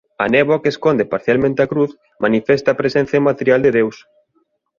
A néboa que esconde parcialmente a cruz manifesta a presenza inmaterial de Deus.